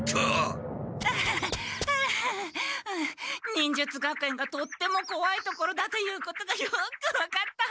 忍術学園がとってもこわい所だということがよく分かった。